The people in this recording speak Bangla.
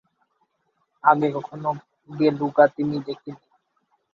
আগে কখনো বেলুগা তিমি দেখিনি।